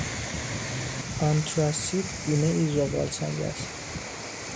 آنتراسیت گونهای زغالسنگ است.